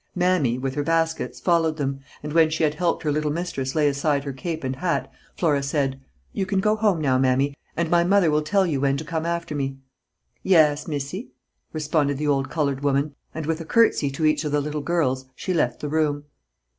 "Mammy," with her baskets, followed them, and when she had helped her little mistress lay aside her cape and hat, Flora said: "You can go home now, Mammy, And my mother will tell you when to come after me." "Yas, Missy," responded the old colored woman, and with a curtsey to each of the little girls she left the room.